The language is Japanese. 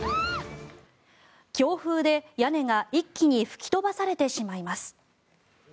強風で、屋根が一気に吹き飛ばされてしまいます。